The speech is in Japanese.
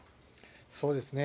そうですね。